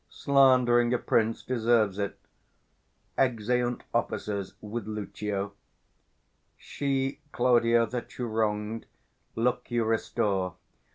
_ Slandering a prince deserves it. [Exeunt Officers with Lucio. She, Claudio, that you wrong'd, look you restore.